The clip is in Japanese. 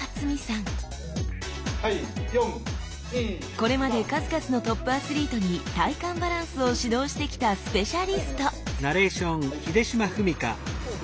これまで数々のトップアスリートに体幹バランスを指導してきたスペシャリスト！